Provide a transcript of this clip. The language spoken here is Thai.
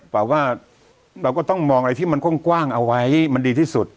แต่ว่าเราก็ต้องมองอะไรที่มันกว้างเอาไว้มันดีที่สุด